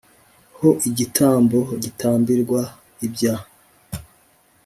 Ho igitambo gitambirwa ibya